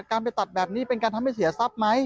การไปตัดแบบนี้เป็นการทำให้เสียทรัพย์ไหม